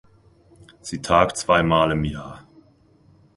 Sie tagt zweimal im Jahr.